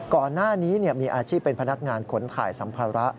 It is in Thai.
ก่อนหน้านี้มีอาชีพเป็นพนักงานขนถ่ายสัมภาระ